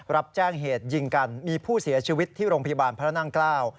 รับแจ้งเหตุยิงกันมีผู้เสียชีวิตที่โรงพยาบาลพระนั่งเกล้า